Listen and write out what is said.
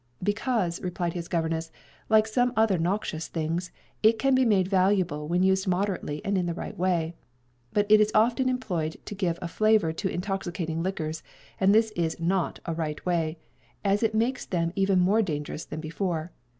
"Because," replied his governess, "like some other noxious things, it can be made valuable when used moderately and in the right way. But it is often employed to give a flavor to intoxicating liquors, and this is not a right way, as it makes them even more dangerous than before.